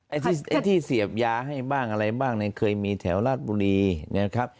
ไอ้ที่เสียบยาให้บ้างอะไรบ้างเคยมีแถวลาดบุรีนี่นะครับ